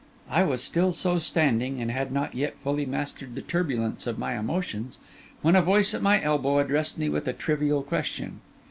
I was still so standing, and had not yet fully mastered the turbulence of my emotions, when a voice at my elbow addressed me with a trivial question.